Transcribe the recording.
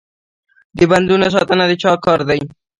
د بندونو ساتنه د چا کار دی؟